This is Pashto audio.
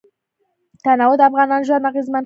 تنوع د افغانانو ژوند اغېزمن کوي.